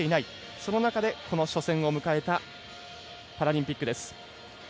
その中で初戦を迎えたパラリンピックです。